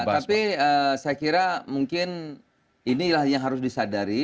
tapi saya kira mungkin inilah yang harus disadari